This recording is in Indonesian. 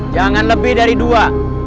jangan lebih dari dua